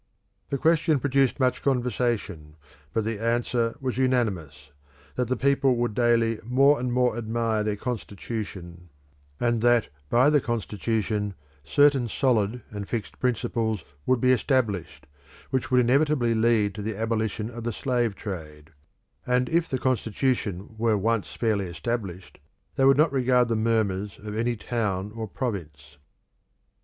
"The question produced much conversation, but the answer was unanimous that people would daily more and more admire their constitution, and that by the constitution certain solid and fixed principles would be established, which would inevitably lead to the abolition of the slave trade; and if the constitution were once fairly established, they would not regard the murmurs of any town or province."